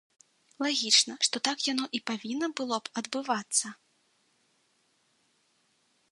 Лагічна, што так яно і павінна было б адбывацца.